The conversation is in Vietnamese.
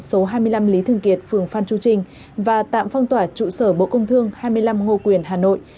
số hai mươi năm lý thường kiệt phường phan chu trinh và tạm phong tỏa trụ sở bộ công thương hai mươi năm ngô quyền hà nội